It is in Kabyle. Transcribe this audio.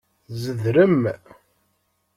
Tzedrem.